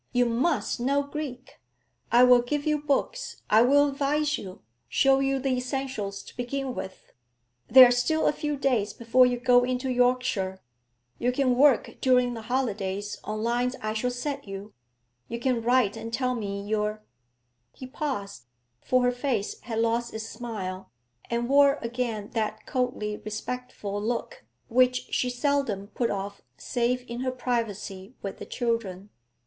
You must know Greek! I will give you books, I will advise you, show you the essentials to begin with. There are still a few days before you go into Yorkshire; you can work during the holidays on lines I shall set you; you can write and tell me your ' He paused, for her face had lost its smile, and wore again that coldly respectful look which she seldom put off save in her privacy with the children.